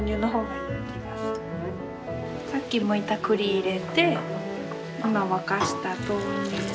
さっきむいた栗入れて今沸かした豆乳入れて。